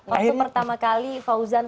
waktu pertama kali paujan